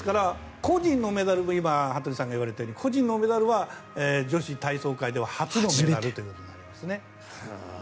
ですから、今羽鳥さんが言われたように個人のメダルは女子体操界では初めてのメダルということになりますね。